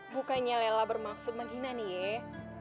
bukannya lelak bermaksud menghina nih yee